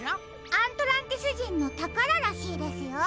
アントランティスじんのたかららしいですよ。